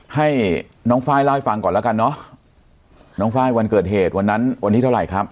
ให้น้องไฟล์เล่าให้ฟังก่อนแล้วกันเนอะน้องไฟล์วันเกิดเหตุวันนั้นวันที่เท่าไหร่ครับ